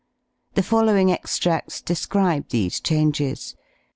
The following extrads describe these changes.